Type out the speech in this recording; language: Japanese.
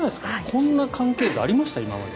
こんな関係図ありました？